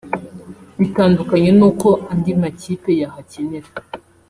bitandukanye n’uko andi makipe yahakinira